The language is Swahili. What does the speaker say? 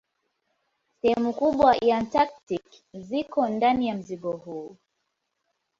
Sehemu kubwa ya Antaktiki ziko ndani ya mzingo huu.